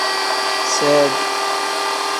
Sedi.